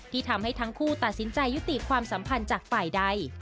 ที่ทำให้ทั้งคู่ตัดสินใจยุติความสัมพันธ์จากฝ่ายใด